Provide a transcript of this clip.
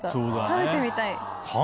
食べてみたい。